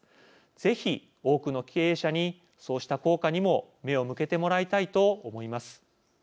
ぜひ、多くの経営者にそうした効果にも目を向けてもらいたいと思います。